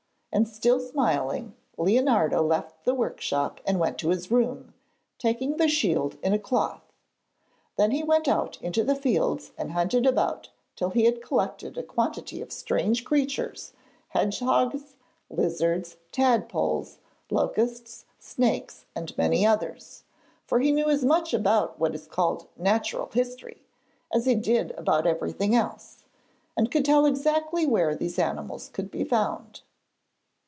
And still smiling, Leonardo left the workshop and went to his room, taking the shield in a cloth. Then he went out into the fields and hunted about till he had collected a quantity of strange creatures, hedgehogs, lizards, tadpoles, locusts, snakes and many others, for he knew as much about what is called 'Natural History' as he did about everything else, and could tell exactly where these animals could be found.